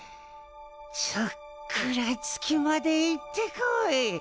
ちょっくら月まで行ってこい。